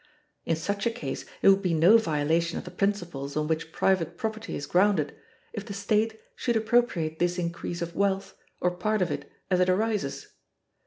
In such a case it would be no violation of the principles on which private property is grounded, if the state should appropriate this increase of wealth, or part of it, as it arises.